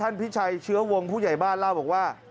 พิชัยเชื้อวงผู้ใหญ่บ้านเล่าบอกว่า